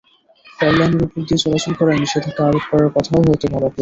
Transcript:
রেললাইনের ওপর দিয়ে চলাচল করায় নিষেধাজ্ঞা আরোপ করার কথাও হয়তো ভাবা প্রয়োজন।